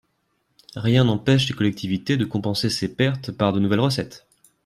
Rien n’empêche les collectivités de compenser ces pertes par de nouvelles recettes.